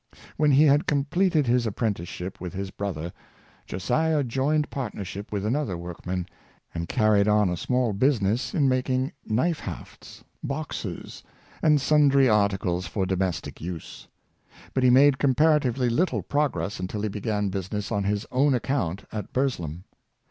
When he had completed his apprenticeship with his brother, Josiah joined partnership with another work man, and carried on a small business in making knife hafts, boxes, and sundry articles for domestic use; but he made comparatively little progress until he began business on his own account at Burslem.